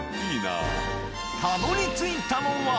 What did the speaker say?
たどりついたのは。